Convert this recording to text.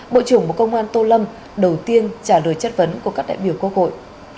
bộ trưởng bộ công an tô lâm đầu tiên trả lời chất vấn của các đại biểu quốc hội